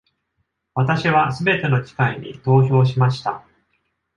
私はすべての機会に投票しました。